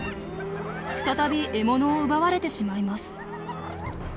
再び獲物を奪われてしまいます。